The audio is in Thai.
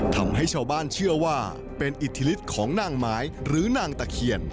ทำให้ชาวบ้านเชื่อว่าเป็นอิทธิฤทธิของนางไม้หรือนางตะเคียน